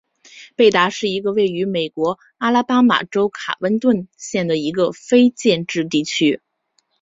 贝达是一个位于美国阿拉巴马州卡温顿县的非建制地区。